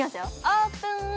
オープン。